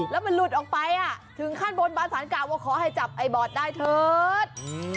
แล้วมันหลุดออกไปถึงขั้นบนบานสารกล่าวว่าขอให้จับไอ้บอดได้เถิด